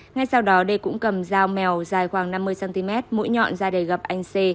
ngay sau đó đê cũng cầm dao mèo dài khoảng năm mươi cm mũi nhọn ra đề gặp anh xê